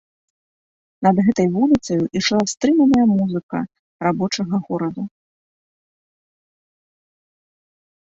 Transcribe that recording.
Над гэтаю вуліцаю ішла стрыманая музыка рабочага горада.